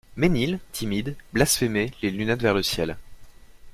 Ménil, timide, blasphémait, les lunettes vers le ciel.